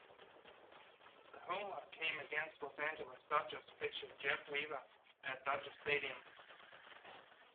The homer came against Los Angeles Dodgers pitcher Jeff Weaver, at Dodger Stadium.